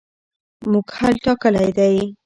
موږ حل ټاکلی دی.